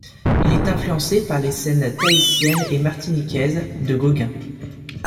Il est influencé par les scènes tahitiennes et martiniquaises de Gauguin.